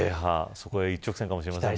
そこへ一直線かもしれません。